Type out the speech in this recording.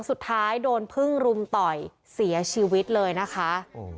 สุดท้ายโดนพึ่งรุมต่อยเสียชีวิตเลยนะคะ